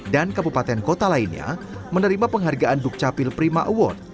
dan kabupaten kota lainnya menerima penghargaan dukcapil prima award